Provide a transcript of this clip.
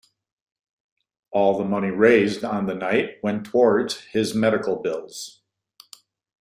All the money raised on the night went towards his medical bills.